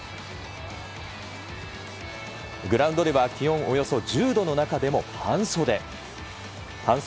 グラウンドでは気温およそ１０度の中でも半袖。